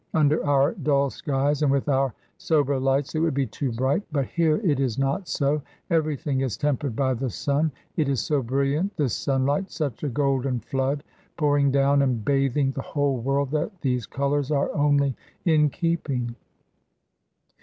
Under our dull skies and with our sober lights it would be too bright; but here it is not so. Everything is tempered by the sun; it is so brilliant, this sunlight, such a golden flood pouring down and bathing the whole world, that these colours are only in keeping.